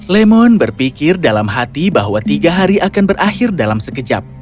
lemon berpikir dalam hati bahwa tiga hari akan berakhir dalam sekejap